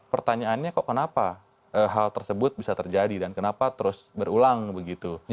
pertanyaannya kok kenapa hal tersebut bisa terjadi dan kenapa terus berulang begitu